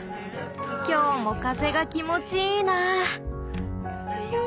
今日も風が気持ちいいなぁ。